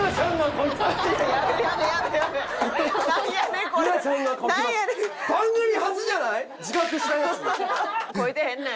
こいてへんねん。